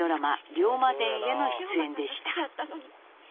「龍馬伝」への出演でした。